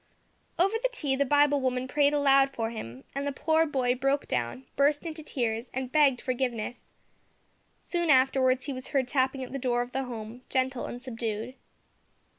Over the tea, the Bible woman prayed aloud for him, and the poor boy broke down, burst into tears, and begged forgiveness. Soon afterwards he was heard tapping at the door of the Home gentle and subdued.